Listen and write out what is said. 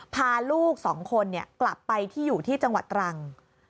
พาลูกสองคนกลับไปที่อยู่ที่จังหวัดตรัง